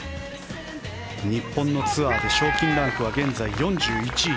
日本のツアーで賞金ランクは現在４１位。